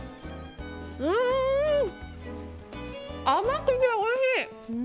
甘くておいしい！